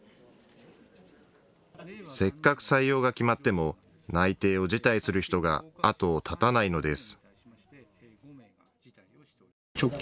せっかく採用が決まっても内定を辞退する人が後を絶たないのです。